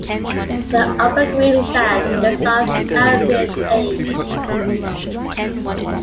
The Upper Greensand is of Albian age.